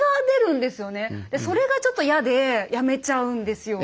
それがちょっと嫌でやめちゃうんですよ。